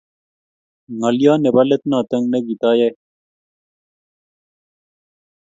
Ngolio nebo letnotok ne kitayae